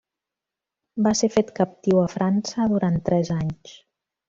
Va ser fet captiu a França durant tres anys.